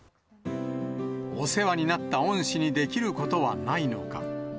お世話になった恩師にできることはないのか。